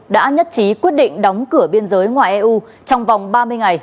đã nhất trí quyết định đóng cửa biên giới ngoài eu trong vòng ba mươi ngày